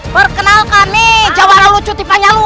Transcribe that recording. perkenalkan nih jawabannya lucu tipanya lu